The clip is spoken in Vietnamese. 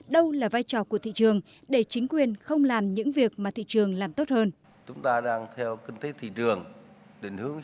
đâu là vai trò của thị trường để chính quyền không làm những việc mà thị trường làm tốt hơn